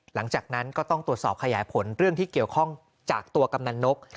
หลังจากนั้นก็ต้องตรวจสอบขยายผลเรื่องที่เกี่ยวข้องจากตัวกำนันนก